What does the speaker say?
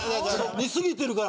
煮すぎてるから。